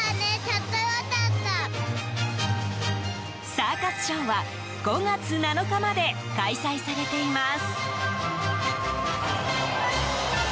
サーカスショーは５月７日まで開催されています。